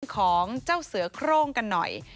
ของเจ้าเสือโครงกันหน่อย